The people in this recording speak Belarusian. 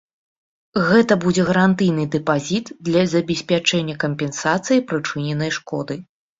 Гэта будзе гарантыйны дэпазіт для забеспячэння кампенсацыі прычыненай шкоды.